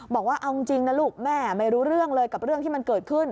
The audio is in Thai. บอกว่าเอาจริงนะลูกแม่ไม่รู้เรื่องเลยกับเรื่องที่มันเกิดขึ้น